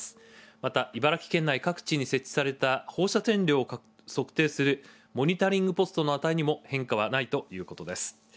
また、茨城県内各地に設置された放射線量を測定する、モニタリングポストの値にも変化はないということです。